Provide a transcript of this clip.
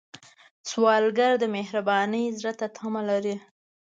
سوالګر د مهربان زړه تمه لري